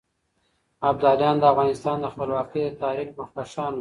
ابداليان د افغانستان د خپلواکۍ د تحريک مخکښان وو.